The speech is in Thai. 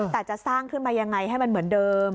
แต่จะสร้างขึ้นมายังไงให้มันเหมือนเดิม